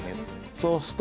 そうすると。